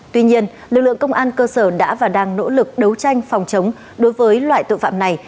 tuy nhiên lực lượng công an cơ sở đã và đang nỗ lực đấu tranh phòng chống đối với loại tội phạm này